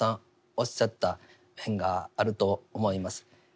おっしゃった面があると思います。